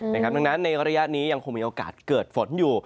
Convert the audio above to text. ดังนั้นในระยะนี้ยังคงมีโอกาสเกิดฝนอยู่